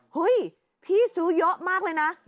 เฮ้ยพี่ซื้อเยอะมากเลยนะ